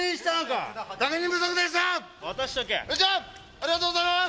ありがとうございます！